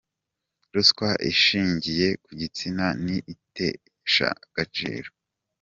Ruswa ishingiye ku gitsina ni iteshagaciro.